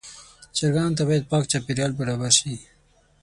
چرګانو ته باید پاک چاپېریال برابر شي.